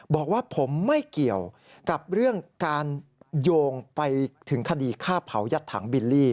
บอกว่าผมไม่เกี่ยวกับเรื่องการโยงไปถึงคดีฆ่าเผายัดถังบิลลี่